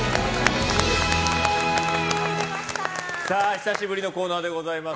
久しぶりのコーナーでございます。